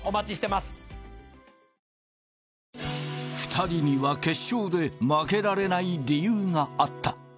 ２人には決勝で負けられない理由があった